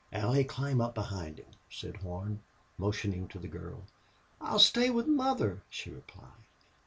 "Allie, climb up behind him," said Horn, motioning to the girl. "I'll stay with mother," she replied.